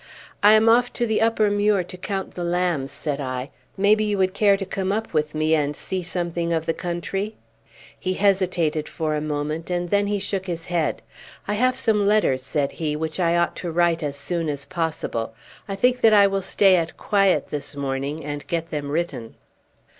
"I am off to the upper muir to count the lambs," said I; "maybe you would care to come up with me and see something of the country?" He hesitated for a moment, and then he shook his head. "I have some letters," he said, "which I ought to write as soon as possible. I think that I will stay at quiet this morning and get them written."